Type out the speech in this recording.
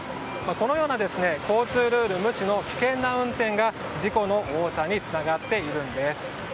このような交通ルール無視の危険な運転が事故の多さにつながっているんです。